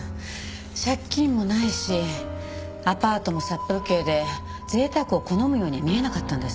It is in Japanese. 借金もないしアパートも殺風景で贅沢を好むように見えなかったんです。